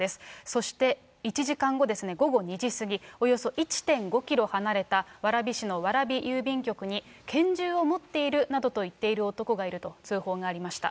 そして、１時間後ですね、午後２時過ぎ、およそ１．５キロ離れた蕨市の蕨郵便局に、拳銃を持っているなどと言っている男がいると通報がありました。